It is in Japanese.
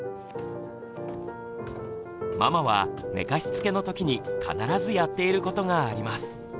ママは寝かしつけの時に必ずやっていることがあります。